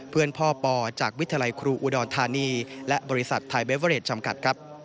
เพื่อนพ่อปอจากวิทยาลัยครูอุดรธานีและบริษัทไทยเบเวอเรดจำกัดครับ